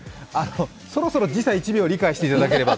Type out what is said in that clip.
そろそろ時差１秒理解いただければ